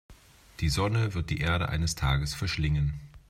Die Sonne wird die Erde eines Tages verschlingen.